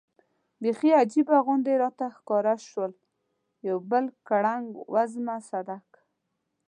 بېخي عجیبه غوندې راته ښکاره شول، یو بل ګړنګ وزمه سړک.